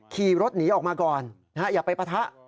ขี่รถหนีออกมาก่อนอย่าไปปะทะ